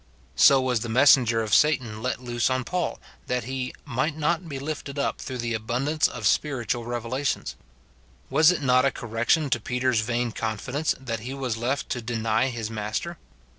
So was the messenger of Satan let loose on Paul, that he " might not be lifted up through the abundance of spirit ual revelations. "f Was it not a correction to Peter's vain confidence, that he was left to deny his Master